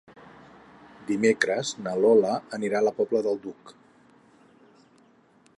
Dimecres na Lola anirà a la Pobla del Duc.